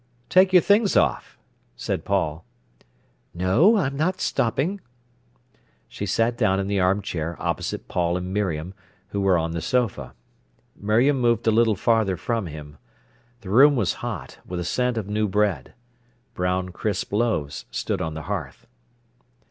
"Take your things off," said Paul. "No, I'm not stopping." She sat down in the armchair opposite Paul and Miriam, who were on the sofa. Miriam moved a little farther from him. The room was hot, with a scent of new bread. Brown, crisp loaves stood on the hearth.